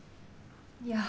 いや。